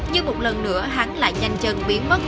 nhưng một lần nữa hắn lại nhanh chân biến mất